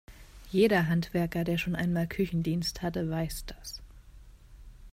Jeder Handwerker, der schon einmal Küchendienst hatte, weiß das.